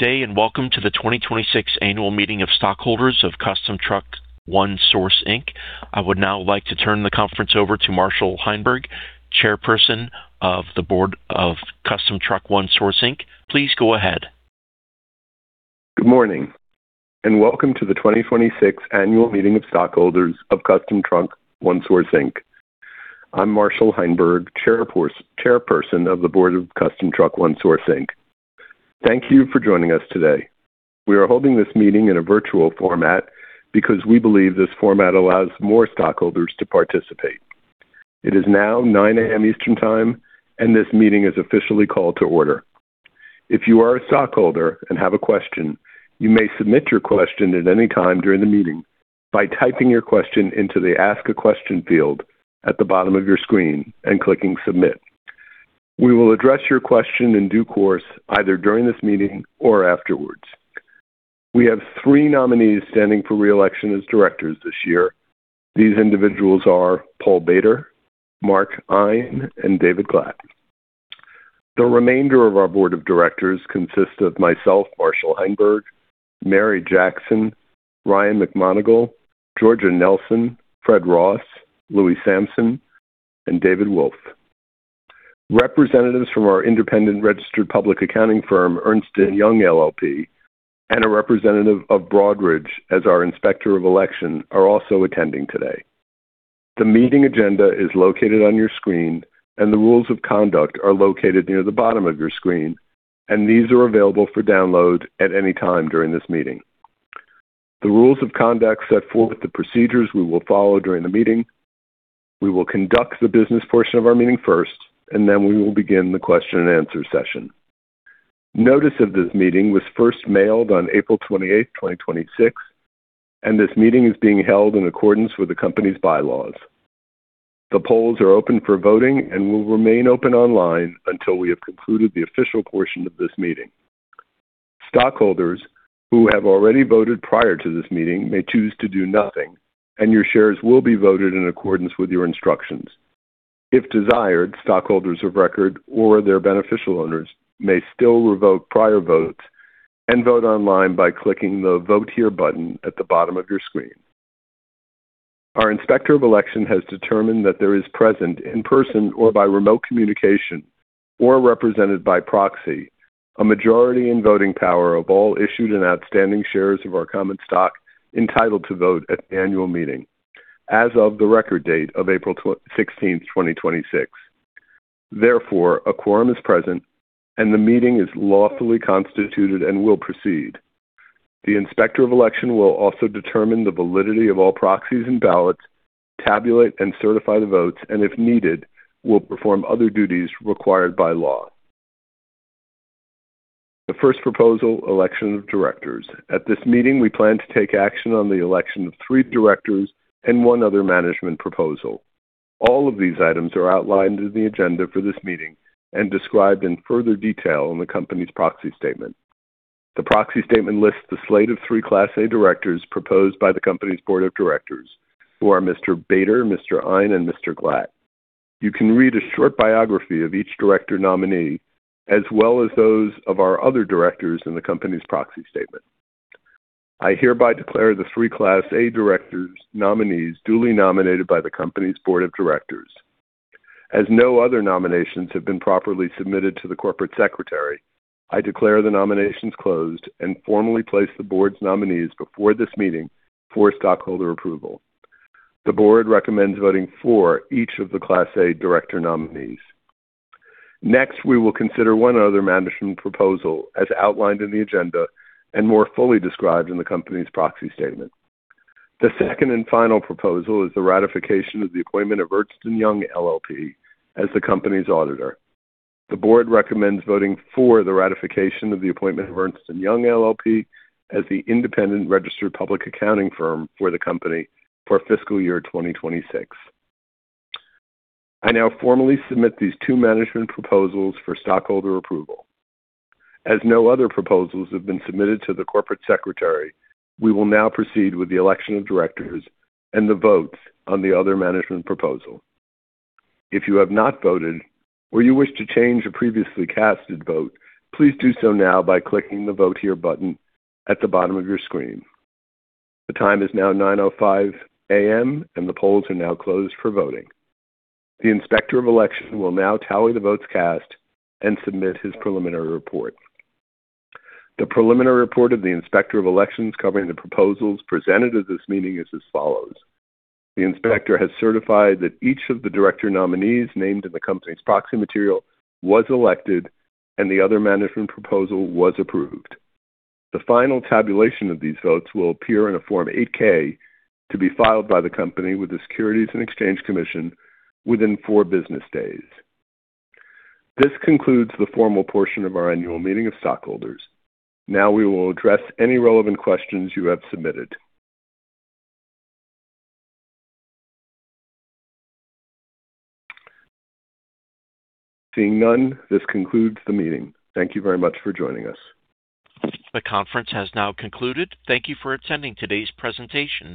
Good day, welcome to the 2026 Annual Meeting of Stockholders of Custom Truck One Source, Inc. I would now like to turn the conference over to Marshall Heinberg, Chairperson of the Board of Custom Truck One Source, Inc. Please go ahead. Good morning, welcome to the 2026 Annual Meeting of Stockholders of Custom Truck One Source, Inc. I'm Marshall Heinberg, Chairperson of the Board of Custom Truck One Source, Inc. Thank you for joining us today. We are holding this meeting in a virtual format because we believe this format allows more stockholders to participate. It is now 9:00 A.M. Eastern Time, this meeting is officially called to order. If you are a stockholder and have a question, you may submit your question at any time during the meeting by typing your question into the Ask a Question field at the bottom of your screen and clicking Submit. We will address your question in due course, either during this meeting or afterwards. We have three nominees standing for re-election as directors this year. These individuals are Paul Bader, Mark Ein, and David Glatt. The remainder of our Board of Directors consists of myself, Marshall Heinberg, Mary Jackson, Ryan McMonagle, Georgia Nelson, Fred Ross, Louis Samson, and David Wolf. Representatives from our independent registered public accounting firm, Ernst & Young LLP, and a representative of Broadridge as our Inspector of Election are also attending today. The meeting agenda is located on your screen, the rules of conduct are located near the bottom of your screen, these are available for download at any time during this meeting. The rules of conduct set forth the procedures we will follow during the meeting. We will conduct the business portion of our meeting first, then we will begin the question and answer session. Notice of this meeting was first mailed on April 28th, 2026, this meeting is being held in accordance with the company's bylaws. The polls are open for voting will remain open online until we have concluded the official portion of this meeting. Stockholders who have already voted prior to this meeting may choose to do nothing, your shares will be voted in accordance with your instructions. If desired, stockholders of record or their beneficial owners may still revoke prior votes and vote online by clicking the Vote Here button at the bottom of your screen. Our Inspector of Election has determined that there is present in person or by remote communication or represented by proxy, a majority in voting power of all issued and outstanding shares of our common stock entitled to vote at the annual meeting as of the record date of April 16th, 2026. Therefore, a quorum is present, the meeting is lawfully constituted and will proceed. The Inspector of Election will also determine the validity of all proxies and ballots, tabulate and certify the votes, and if needed, will perform other duties required by law. The first proposal: election of directors. At this meeting, we plan to take action on the election of three directors and one other management proposal. All of these items are outlined in the agenda for this meeting and described in further detail in the company's proxy statement. The proxy statement lists the slate of three Class A directors proposed by the company's Board of Directors, who are Mr. Bader, Mr. Ein, and Mr. Glatt. You can read a short biography of each director nominee, as well as those of our other directors in the company's proxy statement. I hereby declare the three Class A directors nominees duly nominated by the company's Board of Directors. No other nominations have been properly submitted to the corporate secretary, I declare the nominations closed and formally place the Board's nominees before this meeting for stockholder approval. The Board recommends voting for each of the Class A director nominees. We will consider one other management proposal as outlined in the agenda and more fully described in the company's proxy statement. The second and final proposal is the ratification of the appointment of Ernst & Young LLP as the company's auditor. The Board recommends voting for the ratification of the appointment of Ernst & Young LLP as the independent registered public accounting firm for the company for fiscal year 2026. I now formally submit these two management proposals for stockholder approval. No other proposals have been submitted to the corporate secretary, we will now proceed with the election of directors and the votes on the other management proposal. If you have not voted or you wish to change a previously casted vote, please do so now by clicking the Vote Here button at the bottom of your screen. The time is now 9:05 A.M., the polls are now closed for voting. The Inspector of Election will now tally the votes cast and submit his preliminary report. The preliminary report of the Inspector of Election covering the proposals presented at this meeting is as follows: The inspector has certified that each of the director nominees named in the company's proxy material was elected and the other management proposal was approved. The final tabulation of these votes will appear in a Form 8-K to be filed by the company with the Securities and Exchange Commission within four business days. This concludes the formal portion of our annual meeting of stockholders. We will address any relevant questions you have submitted. Seeing none, this concludes the meeting. Thank you very much for joining us. The conference has now concluded. Thank you for attending today's presentation.